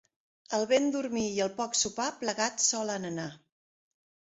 El ben dormir i el poc sopar plegats solen anar.